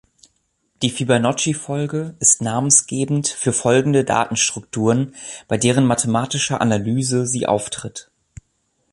Die Fibonacci-Folge ist namensgebend für folgende Datenstrukturen, bei deren mathematischer Analyse sie auftritt.